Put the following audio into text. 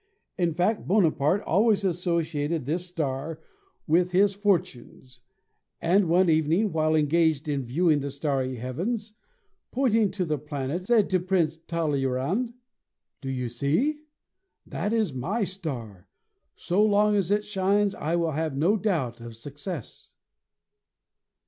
In fact, Bonaparte always associated this star with his fortunes, and one evening while engaged in viewing the starry heavens, pointing to the planet, said to Prince Tal leyrand, "Do you see? That is my star! So long as it shines I will have no doubt of success."